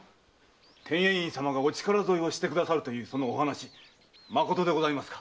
天英院様がお力添えをしてくださるとは真でございますか？